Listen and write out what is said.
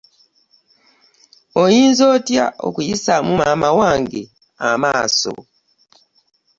Olinza otya okuyisaamu maama wange amaaso.